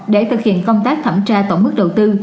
để thực hiện công tác thẩm tra tổng mức đầu tư